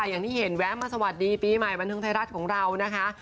อย่างที่เห็นแวะมาสวัสดีปีใหม่บันเทิงไทยรัฐของเรานะคะ